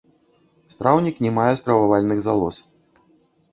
Страўнік не мае стрававальных залоз.